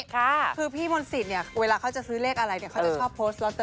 ค่ะคือพี่มนต์สิตเนี้ยเวลาเขาจะซื้อเลขอะไรเนี้ยเขาจะชอบโพสแร็ควันอ้วนะ